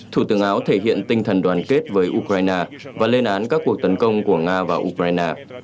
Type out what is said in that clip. thủ tướng áo thể hiện tinh thần đoàn kết với ukraine và lên án các cuộc tấn công của nga vào ukraine